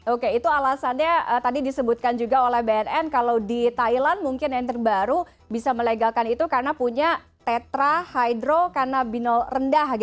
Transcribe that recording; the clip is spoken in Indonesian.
oke itu alasannya tadi disebutkan juga oleh bnn kalau di thailand mungkin yang terbaru bisa melegalkan itu karena punya tetra hydro karena binol rendah